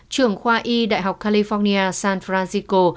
trưởng khoa y đại học california san francisco